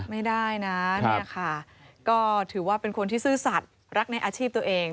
ไม่ได้นะเนี่ยค่ะก็ถือว่าเป็นคนที่ซื่อสัตว์รักในอาชีพตัวเอง